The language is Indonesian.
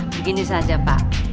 begini saja pak